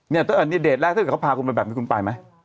เนี่ยเดรตแรกที่เขาพากลับมาแบบมั้ยคุณปายมั้ย